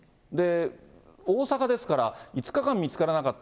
大阪ですから５日間見つからなかった、